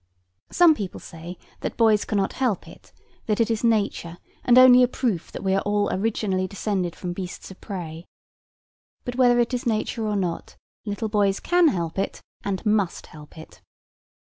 Some people say that boys cannot help it; that it is nature, and only a proof that we are all originally descended from beasts of prey. But whether it is nature or not, little boys can help it, and must help it.